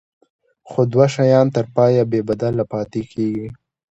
خو دوه شیان تر پایه بې بدله پاتې کیږي.